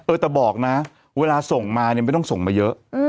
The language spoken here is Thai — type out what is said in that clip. เออแต่บอกนะเวลาส่งมาไม่ต้องส่งมาเยอะ